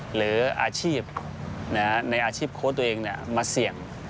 หรืออาชีพในอาชีพโค้ดตัวเองมาเสี่ยง